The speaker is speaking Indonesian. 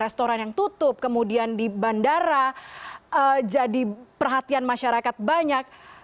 restoran yang tutup kemudian di bandara jadi perhatian masyarakat banyak